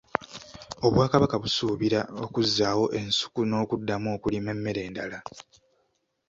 Obwakabaka busuubira okuzzaawo ensuku n’okuddamu okulima emmere endala.